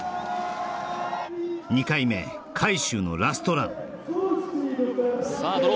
２回目海祝のラストランさあ